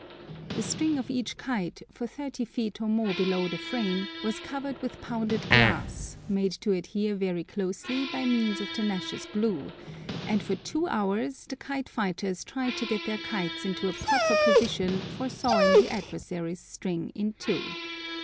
The string of each kite, for 30 feet or more below the frame, was covered with pounded glass, made to adhere very closely by means of tenacious glue, and for two hours the kite fighters tried to get their kites into a proper position for sawing the adversary's string in two.